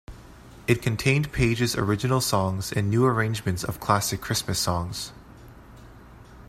It contained Paige's original songs and new arrangements of classic Christmas songs.